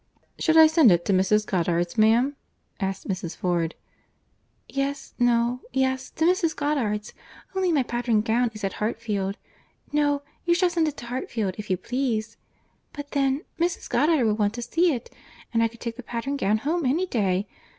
"Should I send it to Mrs. Goddard's, ma'am?" asked Mrs. Ford.—"Yes—no—yes, to Mrs. Goddard's. Only my pattern gown is at Hartfield. No, you shall send it to Hartfield, if you please. But then, Mrs. Goddard will want to see it.—And I could take the pattern gown home any day.